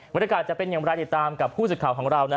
บริการจะเป็นอย่างไรติดตามกับผู้สิดข่าวของเรา